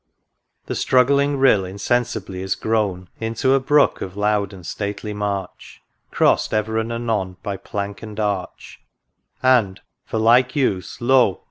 The struggling Rill insensibly is grown Into a Brook of loud and stately march, Cross'd ever and anon by plank and arch ; And, for like use, lo